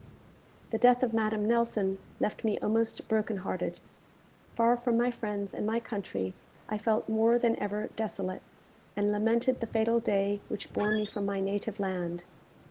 The death of Madame Nelson left me almost broken hearted. Far from my friends and my country, I felt more than ever desolate, and lamented the fatal day which bore me from my native land.